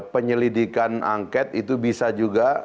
penyelidikan angket itu bisa juga